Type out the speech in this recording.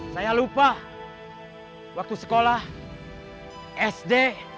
saya lupa waktu sekolah sd